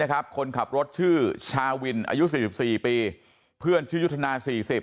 คนขับรถชื่อชาวินอายุ๔๔ปีเพื่อนชื่อยุทธนา๔๐